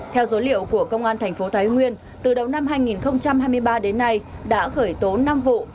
theo dối liệu của công an thành phố thái nguyên từ đầu năm hai nghìn hai mươi ba đến nay đã khởi tố năm vụ